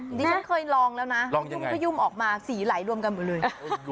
อันนี้ฉันเคยลองแล้วนะคุณก็ยุ่มออกมาสีไหลรวมกันหมดเลยลองอย่างไร